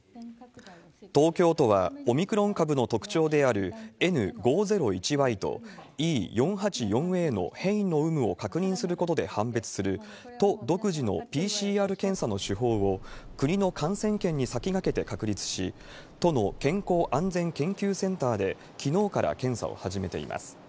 東京都は、オミクロン株の特徴であるＮ５０１Ｙと、Ｅ４８４Ａの変異の有無を確認することで判別する、都独自のＰＣＲ検査の手法を国の感染研に先駆けて確立し、都の健康安全研究センターできのうから検査を始めています。